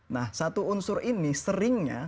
nah satu unsur ini seringnya